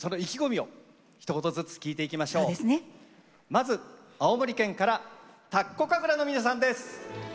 まず青森県から田子神楽の皆さんです。